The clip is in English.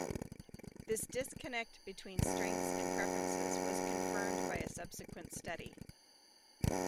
This disconnect between strengths and preferences was confirmed by a subsequent study.